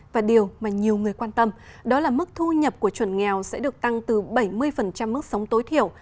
và điều mà nhiều người quan tâm đó là mức thu nhập của chuẩn nghèo sẽ được tăng từ bảy mươi mức sống tối thiểu